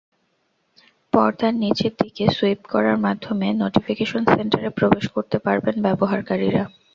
পর্দার নিচের দিকে সুইপ করার মাধ্যমে নোটিফিকেশন সেন্টারে প্রবেশ করতে পারবেন ব্যবহারকারীরা।